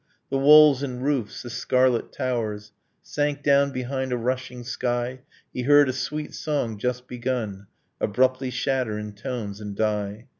. The walls and roofs, the scarlet towers, Sank down behind a rushing sky. He heard a sweet song just begun Abruptly shatter in tones and die.